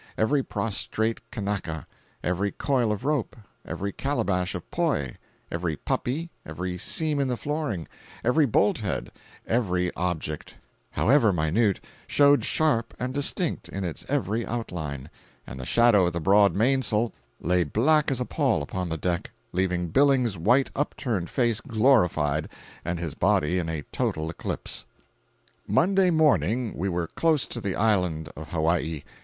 Every prostrate Kanaka; every coil of rope; every calabash of poi; every puppy; every seam in the flooring; every bolthead; every object; however minute, showed sharp and distinct in its every outline; and the shadow of the broad mainsail lay black as a pall upon the deck, leaving Billings's white upturned face glorified and his body in a total eclipse. 501.jpg (93K) Monday morning we were close to the island of Hawaii.